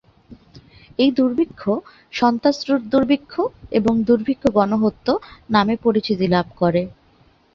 এই দুর্ভিক্ষ "সন্ত্রাস-দুর্ভিক্ষ" এবং "দুর্ভিক্ষ-গণহত্য" নামেও পরিচিতি লাভ করে।